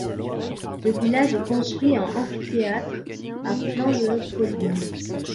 Le village est construit en amphithéâtre à flanc de colline.